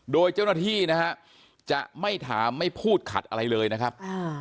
โดยเจ้าหน้าที่นะฮะจะไม่ถามไม่พูดขัดอะไรเลยนะครับ